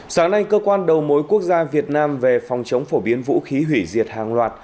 sáng nay cơ quan đầu mối quốc gia việt nam về phòng chống phổ biến vũ khí hủy diệt hàng loạt